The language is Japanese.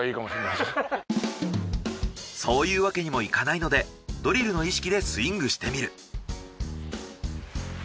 そういうわけにもいかないのでドリルの意識でスイングしてみる。